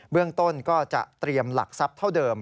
เรื่องต้นก็จะเตรียมหลักทรัพย์เท่าเดิม